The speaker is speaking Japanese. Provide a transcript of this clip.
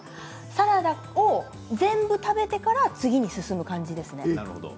サラダを全部食べてから次に進む感じですね。